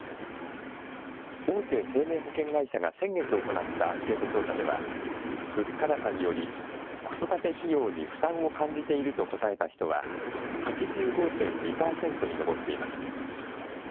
大手生命保険会社が先月行ったアンケート調査では、物価高により子育て費用に負担を感じていると答えた人は８５．２％に上っています。